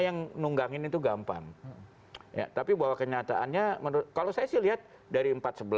yang nunggangin itu gampang ya tapi bahwa kenyataannya menurut kalau saya lihat dari